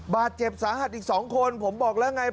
บาดเจ็บสาหัสอีก๒คนผมบอกแล้วไง